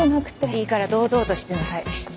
いいから堂々としてなさい。